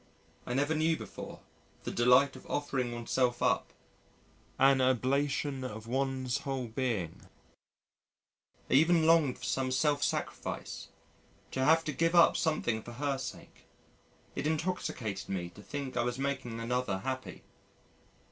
I never knew before, the delight of offering oneself up an oblation of one's whole being; I even longed for some self sacrifice, to have to give up something for her sake. It intoxicated me to think I was making another happy....